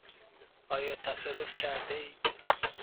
آیا تصادف کرده اید؟